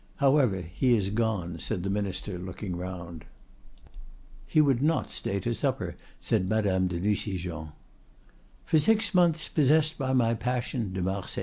However, he is gone," said the Minister, looking round. "He would not stay to supper," said Madame de Nucingen.